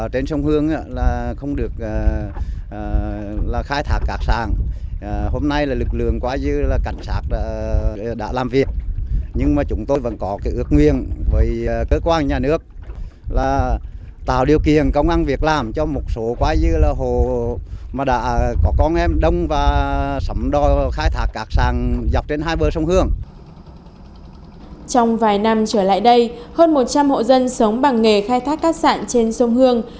trong vài năm trở lại đây hơn một trăm linh hộ dân sống bằng nghề khai thác cát sản trên sông hương